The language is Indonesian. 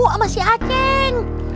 mana mau sama si aceh